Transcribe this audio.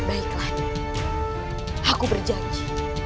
baiklah aku berjanji